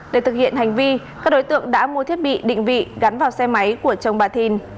để thực hiện hành vi các đối tượng đã mua thiết bị định vị gắn vào xe máy của chồng bà thìn